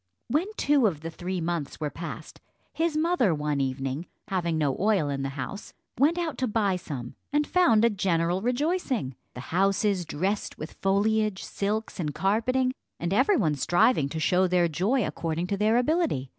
When two of the three months were passed, his mother one evening, having no oil in the house, went out to buy some, and found a general rejoicing the houses dressed with foliage, silks, and carpeting, and every one striving to show their joy according to their ability.